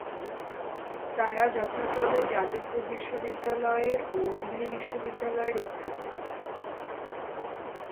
তারা যথাক্রমে যাদবপুর বিশ্ববিদ্যালয়ের ও দিল্লি বিশ্ববিদ্যালয়ের অধ্যাপক।